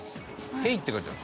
「ヘイ！」って書いてある。